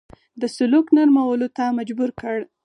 د سلوک نرمولو ته مجبور کړ.